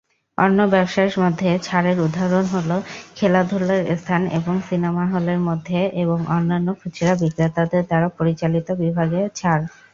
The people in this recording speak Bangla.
অন্য ব্যবসার মধ্যে ছাড়ের উদাহরণ হল খেলাধুলার স্থান এবং সিনেমা হলের মধ্যে এবং অন্যান্য খুচরা বিক্রেতাদের দ্বারা পরিচালিত বিভাগে ছাড়।